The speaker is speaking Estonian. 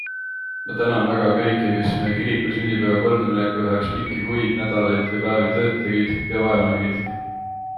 Ma tänan väga kõiki, kes meie kiriku sünnipäeva kordamineku heaks pikki kuid, nädalaid ja päevi tööd tegid ja vaeva nägid.